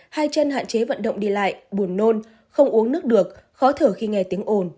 hai chân hạn chế vận động đi lại buồn nôn không uống nước được khó thở khi nghe tiếng ồn